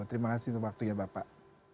terima kasih untuk waktunya bapak